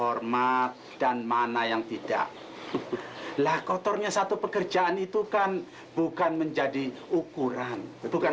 hormat dan mana yang tidak lah kotornya satu pekerjaan itu kan bukan menjadi ukuran bukan